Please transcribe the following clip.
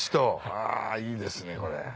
あいいですねこれ。